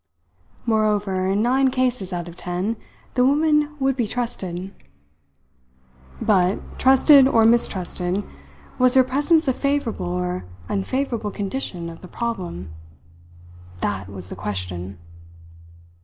Moreover, in nine cases out of ten the woman would be trusted. But, trusted or mistrusted, was her presence a favourable or unfavourable condition of the problem? That was the question!